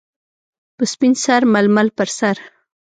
- په سپین سر ململ پر سر.